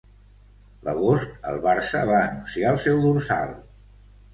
L'agost, el Barça va anunciar el seu dorsal.